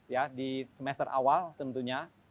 ya di semester awal tentunya